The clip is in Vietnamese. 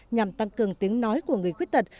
nhằm tăng cường tiếng nói của người khuyết tật